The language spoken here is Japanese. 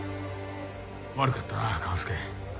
悪かったな勘介。